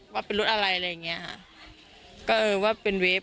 ว่าเป็นรถอะไรอะไรอย่างเงี้ยค่ะก็เออว่าเป็นเวฟ